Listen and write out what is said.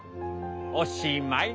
おしまい」。